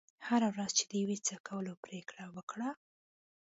هره ورځ چې د یو څه کولو پرېکړه وکړه.